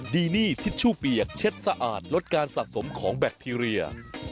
ดีนี่ทิชชู่เปียกเช็ดสะอาดลดการสะสมของแบคทีเรีย